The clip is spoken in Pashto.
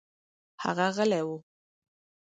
هغه غلى و.